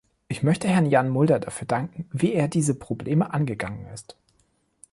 Ich möchte Herrn Jan Mulder dafür danken, wie er diese Probleme angegangen ist.